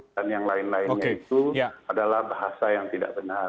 dan yang lain lainnya itu adalah bahasa yang tidak benar